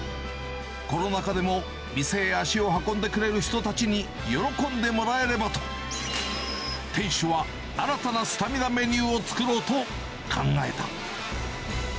コロナ禍でも店へ足を運んでくれる人たちに喜んでもらえればと、店主は新たなスタミナメニューを作ろうと考えた。